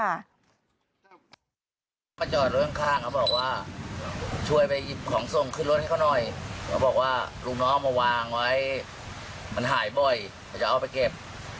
มาจอดรถข้างเขาบอกว่าช่วยไปหยิบของส่งขึ้นรถให้เขาหน่อยเขาบอกว่าลูกน้องเอามาวางไว้มันหายบ่อยมันจะเอาไปเก็บ